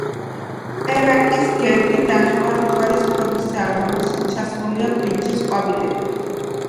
პერაკის გერბი ნახევარმთვარის ფორმისაა, რომელშიც ჩასმულია ბრინჯის ყვავილები.